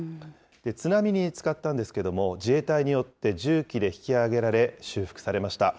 津波につかったんですけれども、自衛隊によって重機で引き揚げられ、修復されました。